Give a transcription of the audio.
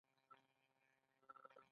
برخلیک باید د خپلې ټاکنې محصول وي.